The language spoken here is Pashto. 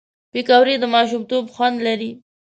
پکورې د ماشومتوب خوند لري